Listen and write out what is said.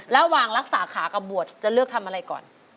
ระหว่างรักษาขากับบวชจะเลือกทำอะไรก่อน